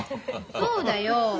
そうだよ。